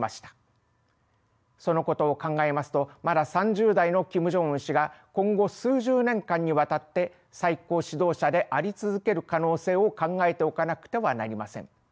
そのことを考えますとまだ３０代のキム・ジョンウン氏が今後数十年間にわたって最高指導者であり続ける可能性を考えておかなくてはなりません。